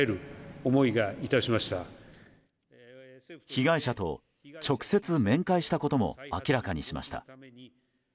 被害者と直接面会したことも明らかにしました。